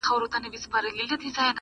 د سرکار له پوره نه سو خلاصېدلای؛